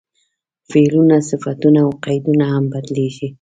فعلونه، صفتونه او قیدونه هم بدلېږي.